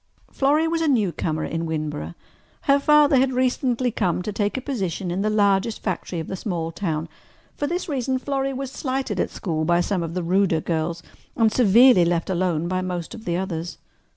Florrie was a newcomer in Winboro. Her father had recently come to take a position in the largest factory of the small town. For this reason Florrie was slighted at school by some of the ruder girls and severely left alone by most of the others.